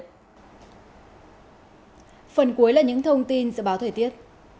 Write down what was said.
phần cuối là những thông tin dự báo thời tiết